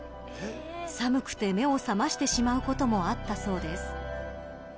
寒くて目を覚ましてしまうこともあったそうです。